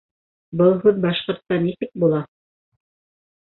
Был һүҙ башҡортса нисек була?